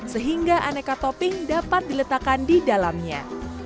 sehingga aneka topping dapat diletakkan di dalamnya